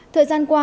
thời gian qua